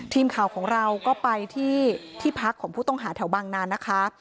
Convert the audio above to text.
ทีมข่าวของเราก็ไปที่ที่พักของผู้ต้องหาแถวบางนานนะคะ